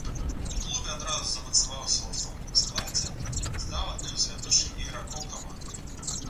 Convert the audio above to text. У клубе адразу замацаваўся ў асноўным складзе, стаў адным з вядучых ігракоў каманды.